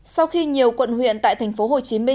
sau khi nhiều quận huyện tại tp hcm